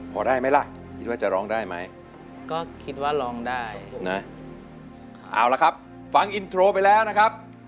พอได้ไหมล่ะคิดว่าจะร้องได้ไหมก็คิดว่าร้องได้นะเอาละครับฟังอินโทรไปแล้วนะครับ